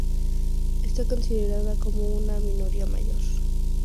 Está considerada como una "minoría mayor".